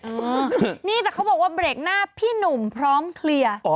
นี่แต่เขาบอกว่าเบรกหน้าพี่หนุ่มพร้อมเคลียร์